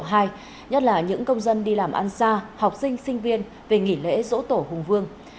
nhất là những công dân đi làm ăn xa học sinh sinh viên về nghỉ lễ dỗ tổ hùng vương